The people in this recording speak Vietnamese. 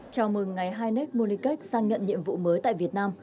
chào mừng ngài heineck kamoniket sang nhận nhiệm vụ mới tại việt nam